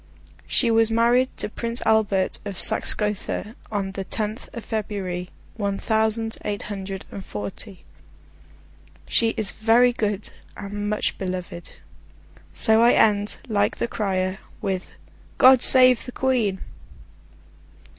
She was married to Prince Albert of Saxe Gotha on the tenth of February, one thousand eight hundred and forty. She is very good, and much beloved. So I end, like the crier, with God Save the Queen!